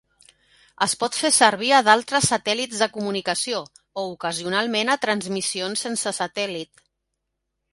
Es pot fer servir a d'altres satèl·lits de comunicació, o ocasionalment a transmissions sense satèl·lit.